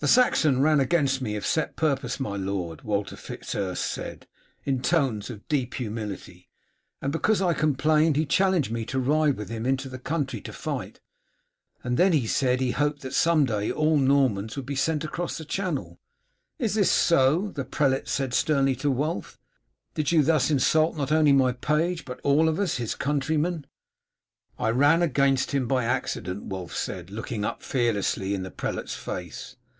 "The Saxon ran against me of set purpose, my lord," Walter Fitz Urse said, in tones of deep humility, "and because I complained he challenged me to ride with him into the country to fight, and then he said he hoped that some day all the Normans would be sent across the Channel." "Is this so?" the prelate said sternly to Wulf; "did you thus insult not only my page, but all of us, his countrymen?" "I ran against him by accident," Wulf said, looking up fearlessly in the prelate's face.